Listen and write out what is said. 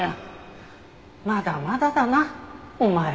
まだまだだなお前は。